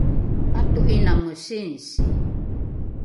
pato’iname singsi